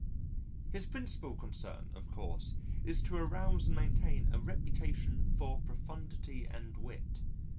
His principal concern of course is to arouse and maintain a reputation for profundity and wit.